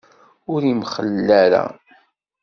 Ur imxell ara.